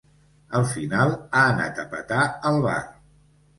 Al final ha anat a petar al bar.